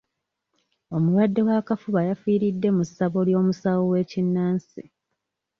Omulwadde w'akafuba yafiiridde mu ssabo ly'omusawo w'ekinnansi.